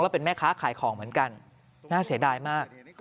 เป็นแม่ค้าขายของเหมือนกันน่าเสียดายมาก